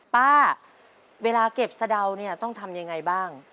ป้าเวลาเก็บสะเดาต้องทำอย่างไรบ้าง